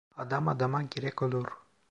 Adam adama gerek olur,.